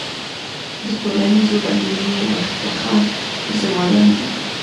د ټولنیزو بدلونونو مخکښان ځوانان دي.